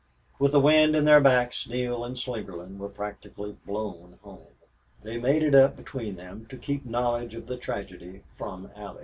With the wind in their backs Neale and Slingerland were practically blown home. They made it up between them to keep knowledge of the tragedy from Allie.